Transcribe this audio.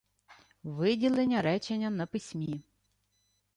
Виділення речення на письмі